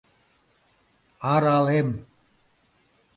— Аралем!